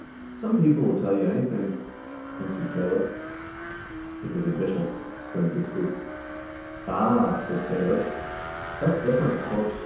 " Some people will tell you anything," answered Caleb. " It was a Bishop," explained the spook. "Ah!" said Caleb, "thatJs different, of course."